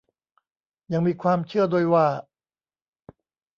ยังมีความเชื่อด้วยว่า